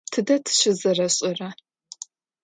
Тыдэ тыщызэрэшӏэра?